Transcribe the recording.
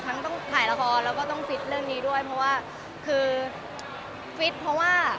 ต้องถ่ายละครแล้วก็ต้องฟิตเรื่องนี้ด้วยเพราะว่าคือฟิตเพราะว่า